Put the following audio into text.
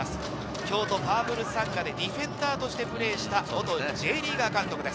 京都パープルサンガでディフェンダーとしてプレーをした元Ｊリーガー監督です。